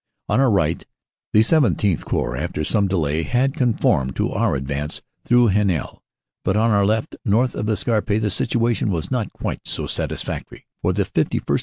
On our right the XVII Corps, after some delay, had con formed to our advance through Heninel. But on our left, north of the Scarpe, the situation was not quite so satisfactory; for the 5 1st.